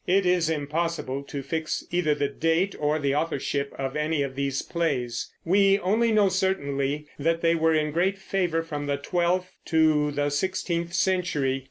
It is impossible to fix either the date or the authorship of any of these plays; we only know certainly that they were in great favor from the twelfth to the sixteenth century.